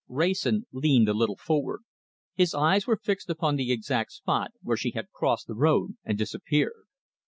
Wrayson leaned a little forward. His eyes were fixed upon the exact spot where she had crossed the road and disappeared.